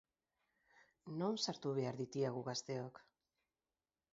Non sartu behar ditiagu gazteok?